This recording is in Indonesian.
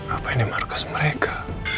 apa ini markas mereka